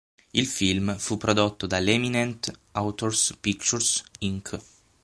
Il film fu prodotto dall'Eminent Authors Pictures Inc.